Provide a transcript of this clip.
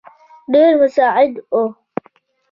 ډېر مساعد وو.